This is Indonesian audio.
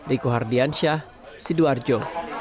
riko hardiansyah sidoarjo